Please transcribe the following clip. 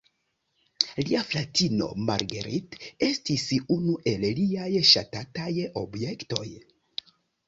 Lia fratino, Marguerite, estis unu el liaj ŝatataj objektoj.